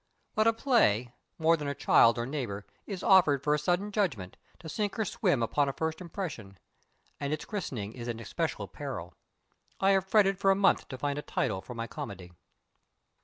But a play (more than a child or neighbor) is offered for a sudden judgment to sink or swim upon a first impression and its christening is an especial peril. I have fretted for a month to find a title for my comedy.